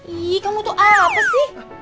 ihh kamu tuh apa sih